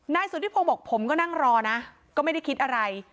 นายสุธิพงศ์บอกผมก็นั่งรอนะก็ไม่ได้คิดอะไร